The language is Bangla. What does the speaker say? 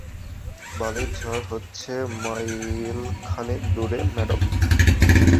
বালির ঝড় হচ্ছে মাইলখানেক দূরে, ম্যাডাম।